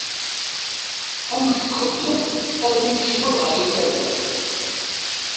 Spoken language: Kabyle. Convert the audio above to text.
Amek txeddmeḍ armi tkeččmeḍ ɣer Internet?